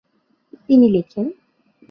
তিনি লেখেন-